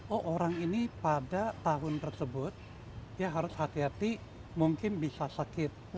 oh orang ini pada tahun tersebut ya harus hati hati mungkin bisa sakit